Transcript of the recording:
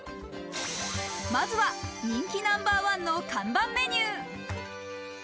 まずは人気ナンバーワンの看板メニュー。